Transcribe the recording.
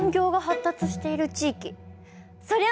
そりゃあ